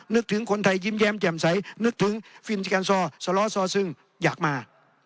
นึกถึงคนไทยยิ้มแย้มแจ่มใสนึกถึงฟินจิกันซอสล้อซอซึงอยากมา